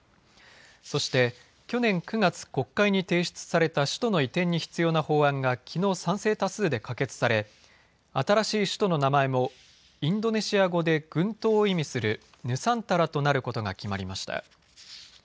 そして、去年９月、国会に提出された首都の移転に必要な法案がきのう賛成多数で可決され新しい首都の名前もインドネシア語で群島を意味するヌサンタラとなることが決まりました。